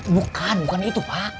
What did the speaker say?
bukan bukan itu pak